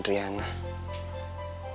kalo gua mantannya adriana